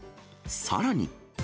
さらに。